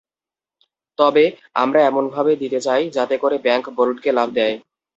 তবে আমরা এমনভাবে দিতে চাই, যাতে করে ব্যাংক বোর্ডকে লাভ দেয়।